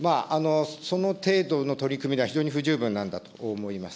その程度の取り組みでは、非常に不十分なんだと思います。